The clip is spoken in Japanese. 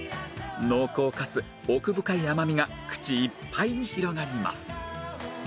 濃厚かつ奥深い甘みが口いっぱいに広がります